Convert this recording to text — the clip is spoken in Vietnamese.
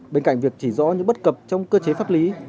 bên cạnh việc chỉ rõ những bất cập trong cơ chế pháp lý